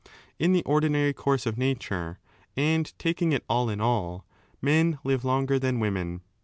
In the 7 ordinary course of nature, and taking it all in all, men live longer than women.'